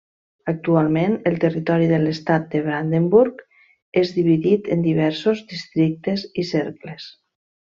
Actualment, el territori de l'Estat de Brandenburg és dividit en diversos districtes i cercles.